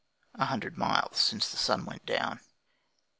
'A hundred miles since the sun went down.'